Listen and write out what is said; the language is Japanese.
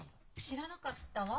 知らなかったわ。